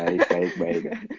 baik baik baik